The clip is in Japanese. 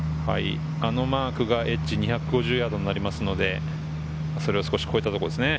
あのマークがエッジ２５０ヤードになるので、それを少し超えたところです。